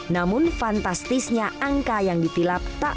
namun fantastisnya angka yang ditilap tak